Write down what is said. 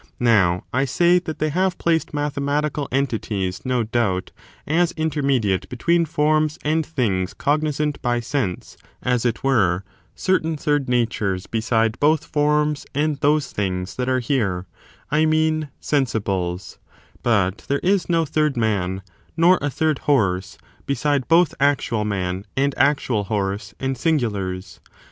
Now, I say that they have placed mathematical entities, no doubt, as intermediate between forms and things cognisant by sense, as it were ^ certain third natures beside both forms and those things that are here — I mean, sensibles — but there is no third man, nor a third horse, beside both actual man, and actual horse, and singulars.